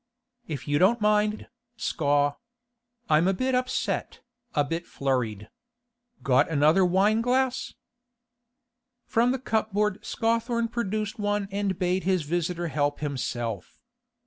'If you don't mind, Scaw. I'm a bit upset, a bit flurried. Got another wine glass?' From the cupboard Scawthorne produced one, and bade the visitor help himself.